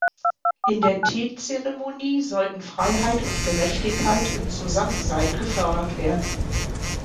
In der Teezeremonie sollen Freiheit und Gerechtigkeit im Zusammensein gefördert werden.